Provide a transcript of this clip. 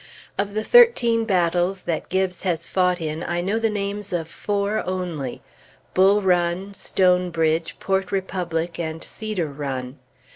Of the thirteen battles that Gibbes has fought in, I know the names of four only: Bull Run, Stonebridge, Port Republic, and Cedar Run.